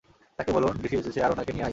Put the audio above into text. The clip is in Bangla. তাকে বলুন ডিসি এসেছে আর উনাকে নিয়ে আই।